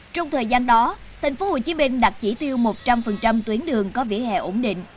trong thời gian đó thành phố hồ chí minh đạt chỉ tiêu một trăm linh tuyến đường có vỉa hè ổn định